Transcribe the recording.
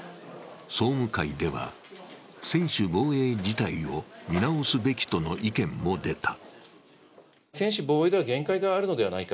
総務会では、専守防衛自体を見直すべきとの意見も出た。